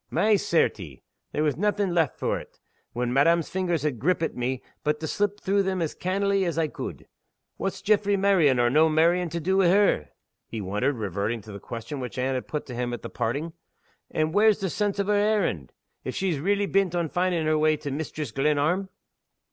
"My certie! there was naething left for't, when madam's fingers had grippit me, but to slip through them as cannily as I could. What's Jaffray's marrying, or no' marrying, to do wi' her?" he wondered, reverting to the question which Anne had put to him at parting. "And whar's the sense o' her errand, if she's reely bent on finding her way to Mistress Glenarm?"